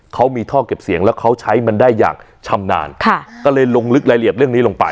เขามีท่อเก็บเสียงแล้วเขาใช้มันได้อย่างชำนาญค่ะก็เลยลงลึกรายละเอียดเรื่องนี้ลงไป